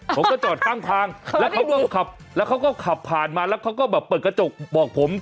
ผมก็จอดข้างแล้วเขาก็ขับผ่านมาแล้วเขาก็เปิดกระจกบอกผม